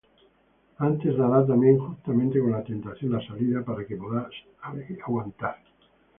antes dará también juntamente con la tentación la salida, para que podáis aguantar.